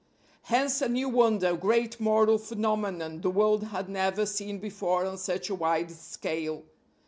Hence a new wonder, a great moral phenomenon the world had never seen before on such a wide scale.